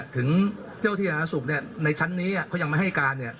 ถึงเจ้าที่สาธารณสุขในชั้นนี้เขายังไม่ให้การ